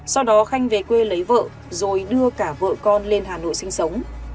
sau đó khanh về quê lấy vợ rồi đưa cả vợ con lên hà nội sinh sống